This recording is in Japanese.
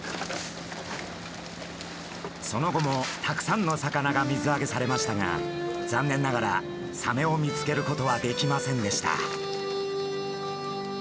その後もたくさんの魚が水揚げされましたが残念ながらサメを見つけることはできませんでした。